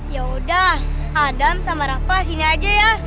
yaudah adam sama rafa sini aja ya